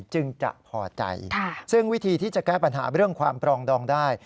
จึงจะพอใจซึ่งวิธีที่จะแก้ปัญหาเรื่องความปรองดองได้